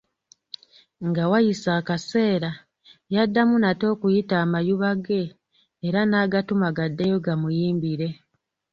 Nga wayise akaseera, yaddamu nate okuyita amayuba ge era n'agatuma gaddeyo gamuyimbire.